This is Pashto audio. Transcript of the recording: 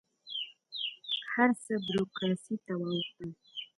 هر څه بروکراسي ته واوښتل.